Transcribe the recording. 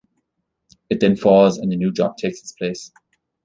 It then falls and a new drop takes its place.